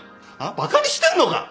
バカにしてんのか！？